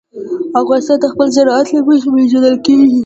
افغانستان د خپل زراعت له مخې پېژندل کېږي.